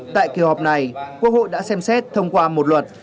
tại kỳ họp này quốc hội đã xem xét thông qua một luật